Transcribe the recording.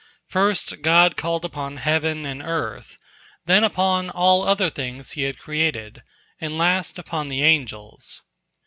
First God called upon heaven and earth, then upon all other things He had created, and last upon the angels.